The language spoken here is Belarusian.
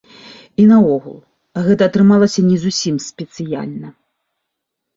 І наогул, гэта атрымалася не зусім спецыяльна.